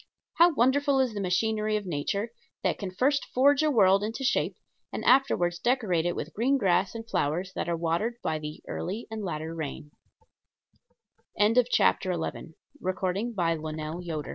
How wonderful is the machinery of Nature, that can first forge a world into shape and afterward decorate it with green grass and flowers that are watered by the "early and latter rain"! CHAPTER XII.